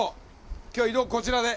今日移動こちらで！